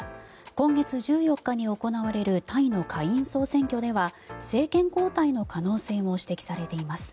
今月１４日に行われるタイの下院総選挙では政権交代の可能性も指摘されています。